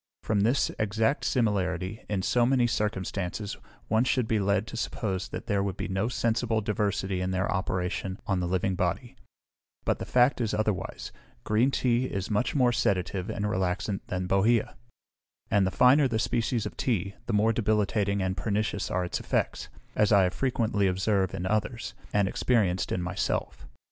From this exact similarity in so many circumstances, one should be led to suppose that there would be no sensible diversity in their operation on the living body; but the fact is otherwise: green tea is much more sedative and relaxant than bohea; and the finer the species of tea, the more debilitating and pernicious are its effects, as I have frequently observed in others, and experienced in myself.